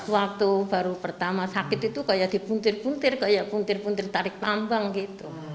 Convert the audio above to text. waktu baru pertama sakit itu kayak dipuntir puntir kayak puntir puntir tarik tambang gitu